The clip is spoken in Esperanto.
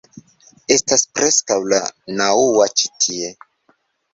Estas preskaŭ la naŭa ĉi tie